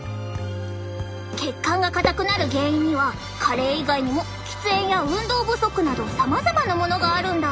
血管が硬くなる原因には加齢以外にも喫煙や運動不足などさまざまなものがあるんだ。